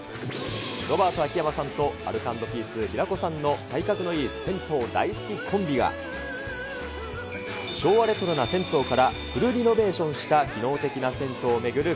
ロバート・秋山さんと、アルコ＆ピース・平子さんの体格のいい銭湯大好きコンビが、昭和レトロな銭湯からフルリノベーションした機能的な銭湯を巡る